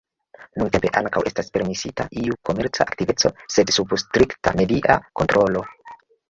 Nuntempe, ankaŭ estas permesita iu komerca aktiveco sed sub strikta media kontrolo.